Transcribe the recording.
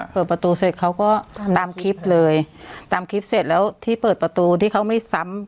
เปิดประตูเสร็จเขาก็ตามคลิปเลยตามคลิปเสร็จแล้วที่เปิดประตูที่เขาไม่ซ้ำ